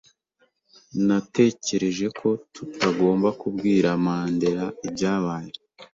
Natekereje ko tutagomba kubwira Mandera ibyabaye.